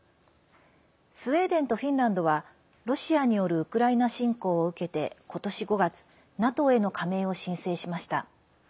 スウェーデンとフィンランドはロシアによるウクライナ侵攻を受けて今年５月、ＮＡＴＯへの加盟を申請しました。